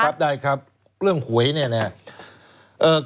รับได้ครับเรื่องหวยเนี่ยนะครับ